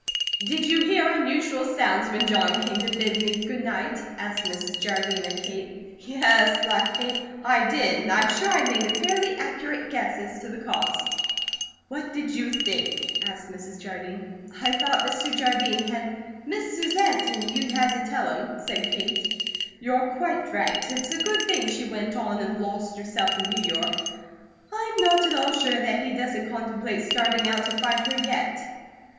"Did you hear unusual sounds when John came to bid me good night?" asked Mrs. Jardine of Kate. "Yes," laughed Kate, "I did. And I'm sure I made a fairly accurate guess as to the cause." "What did you think?" asked Mrs. Jardine. "I thought Mr. Jardine had missed Susette, and you'd had to tell him," said Kate. "You're quite right. It's a good thing she went on and lost herself in New York. I'm not at all sure that he doesn't contemplate starting out to find her yet."